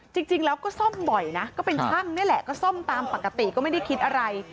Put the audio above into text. จริงแล้วก็ซ่อมบ่อยนะก็เป็นช่างนี่แหละก็ซ่อมตามปกติก็ไม่ได้คิดอะไร